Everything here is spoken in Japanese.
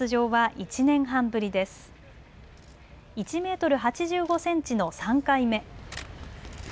１メートル８５センチの３回目。